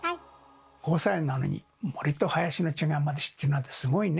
５歳なのに森と林の違いまで知ってるなんてすごいね！